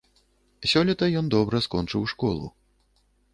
Сёлета ён добра скончыў школу.